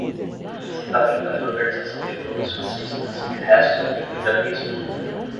incitamento à reorganização de grupos fascistas, restos do integralismo